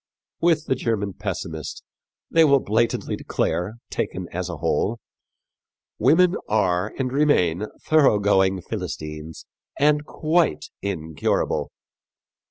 With the German pessimist, they will blatantly declare, taken as a whole, "women are and remain thoroughgoing Philistines and quite incurable."